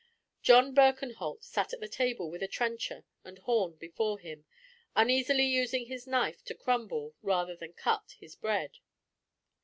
John Birkenholt sat at the table with a trencher and horn before him, uneasily using his knife to crumble, rather than cut, his bread.